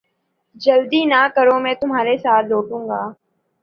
جلدی نہ کرو میں تمھارے ساتھ لوٹوں گا